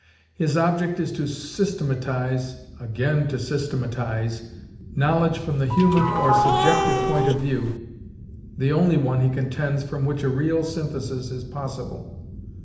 His object is to systematize (again to systematize) knowledge from the human or subjective point of view, the only one, he contends, from which a real synthesis is possible.